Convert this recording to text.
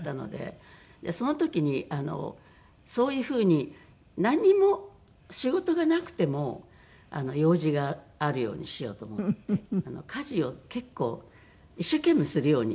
その時にそういうふうになんにも仕事がなくても用事があるようにしようと思って家事を結構一生懸命するようになりました。